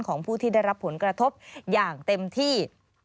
ของผู้ที่ได้รับผลกระทบอย่างเต็มที่